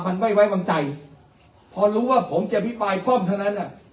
มันไม่ไว้วางใจพอรู้ว่าผมจะอภิปรายป้อมเท่านั้นอ่ะ